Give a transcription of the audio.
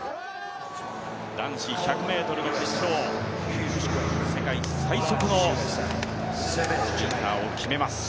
男子１００ｍの決勝、世界最速のスプリンターを決めます。